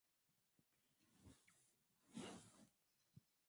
hewa ikiwa ni pamoja na chembechembe za vumbi la mchanga na